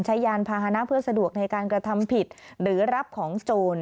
ยานพาหนะเพื่อสะดวกในการกระทำผิดหรือรับของโจร